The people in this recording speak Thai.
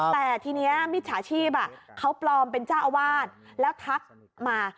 แต่ทีนี้มิจฉาชีพเขาปลอมเป็นเจ้าอาวาสแล้วทักมา